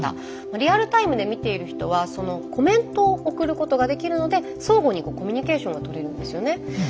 リアルタイムで見ている人はそのコメントを送ることができるので相互にコミュニケーションが取れるんですよね。